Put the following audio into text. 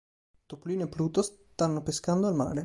Topolino e Pluto stanno pescando al mare.